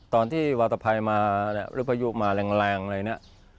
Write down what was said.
ตอนที่วัตถภัยมารุภายุมาแรงเลยนี่